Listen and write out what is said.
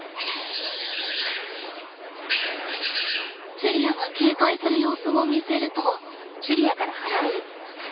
チェリアが警戒する様子を見せると。